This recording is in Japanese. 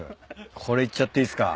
これいっちゃっていいっすか？